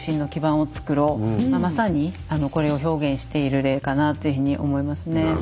まさにこれを表現している例かなというふうに思いますね。